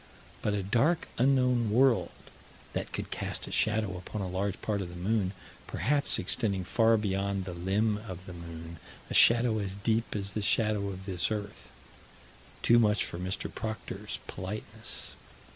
But a dark, unknown world that could cast a shadow upon a large part of the moon, perhaps extending far beyond the limb of the moon; a shadow as deep as the shadow of this earth Too much for Mr. Proctor's politeness.